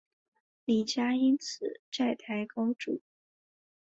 李家因此债台高筑。